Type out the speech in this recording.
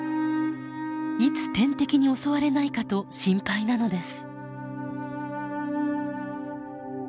いつ天敵に襲われないかと心配なのです。